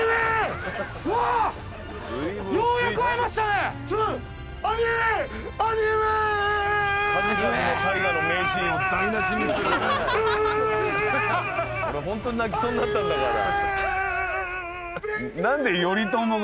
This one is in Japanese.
俺ホントに泣きそうになったんだから。